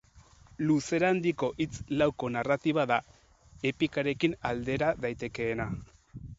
Luzera handiko hitz lauko narratiba da, epikarekin aldera daitekeena.